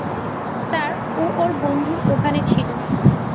Sir, ও ওর বন্ধুর ওখানে ছিলো।